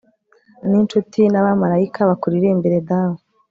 n'incuti n'abamarayika, bakuririmbire dawe